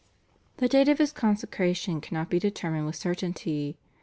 The date of his consecration cannot be determined with certainty.